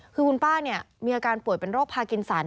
คือคุณป้ามีอาการป่วยเป็นโรคพากินสัน